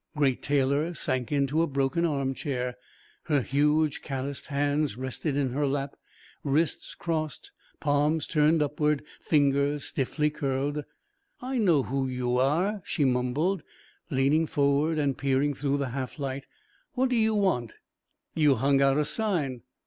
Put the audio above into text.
Great Taylor sank into a broken armchair, her huge calloused hands rested in her lap, wrists crossed, palms turned upward, fingers stiffly curled. "I know who you are," she mumbled, leaning forward and peering through the half light. "What do you want?" "You hung out a sign...."